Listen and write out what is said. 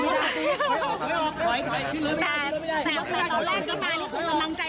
คุณแม่ขอขอบคุณนะคะขอโทษนะคะ